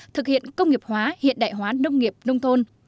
thực hiện công nghiệp hóa hiện đại hóa nông nghiệp nông thôn